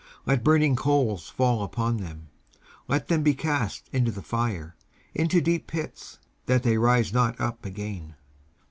19:140:010 Let burning coals fall upon them: let them be cast into the fire; into deep pits, that they rise not up again.